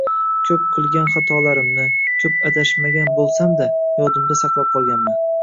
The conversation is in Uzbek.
Koʻp qilgan xatolarimni, koʻp adashmagan boʻlsam-da, yodimda saqlab qolganman.